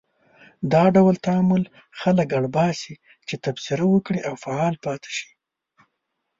دا ډول تعامل خلک اړ باسي چې تبصره وکړي او فعال پاتې شي.